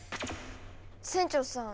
船長さん